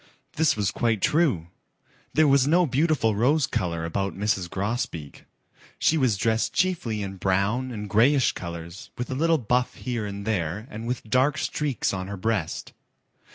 This was quite true. There was no beautiful rose color about Mrs. Grosbeak. She was dressed chiefly in brown and grayish colors with a little buff here and there and with dark streaks on her breast.